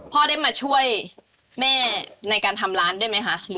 พ่อได้มาช่วยแม่ในการทำร้านด้วยไหมคะ